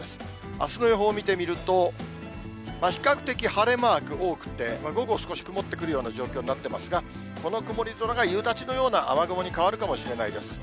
あすの予報を見てみると、比較的晴れマーク多くて、午後、少し曇ってくるような状況になってますが、この曇り空が夕立のような雨雲に変わるかもしれないです。